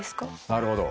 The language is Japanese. なるほど。